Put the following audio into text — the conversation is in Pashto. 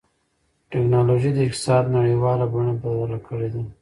ټکنالوجي د اقتصاد نړیواله بڼه بدله کړې ده.